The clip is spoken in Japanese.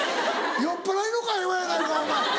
酔っぱらいの会話やないかお前。